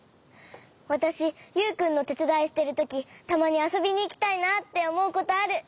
わたしユウくんのてつだいしてるときたまにあそびにいきたいなっておもうことある！